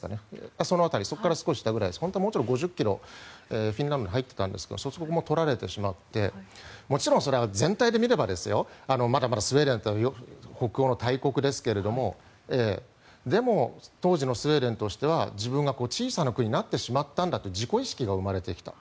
そこからもう少し下くらい本当は５０ｋｍ、フィンランドに入っていたんですがそこも取られてしまってもちろんそれは全体で見ればまだまだスウェーデンって北欧の大国ですがでも当時のスウェーデンとしては自分が小さな国になってしまったんだという自己意識が生まれてきた。